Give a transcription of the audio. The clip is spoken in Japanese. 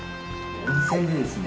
温泉でですね